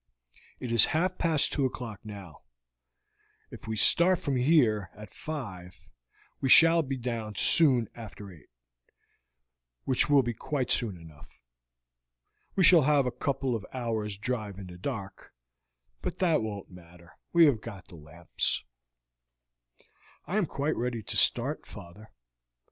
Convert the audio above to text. It is half past two o'clock now; if we start from here at five we shall be down soon after eight, which will be quite soon enough. We shall have a couple of hours' drive in the dark, but that won't matter, we have got the lamps." "I am quite ready to start, father.